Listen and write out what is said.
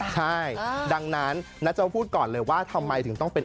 ใช่ดังนั้นนาโจ้พูดก่อนเลยว่าทำไมถึงต้องเป็น